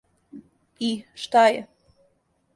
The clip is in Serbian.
И, шта је?